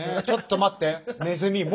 ちょっと待ってねずみ！